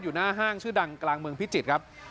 หน้าห้างชื่อดังกลางเมืองพิจิตรครับ